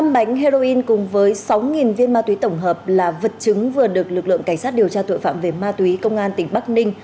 năm bánh heroin cùng với sáu viên ma túy tổng hợp là vật chứng vừa được lực lượng cảnh sát điều tra tội phạm về ma túy công an tỉnh bắc ninh